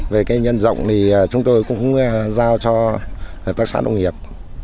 về cái nhân rộng thì chúng tôi cũng giao cho hợp tác xã nông nghiệp